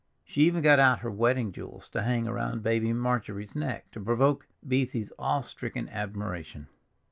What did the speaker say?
She even got out her wedding jewels to hang around baby Marjorie's neck, to provoke Beesy's awestricken admiration.